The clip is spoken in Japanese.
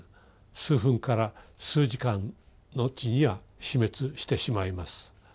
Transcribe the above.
数分から数時間後には死滅してしまいます。